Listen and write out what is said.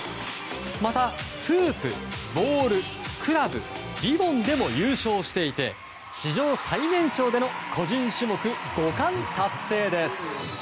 また、フープ、ボールクラブ、リボンでも優勝していて史上最年少での個人種目５冠達成です。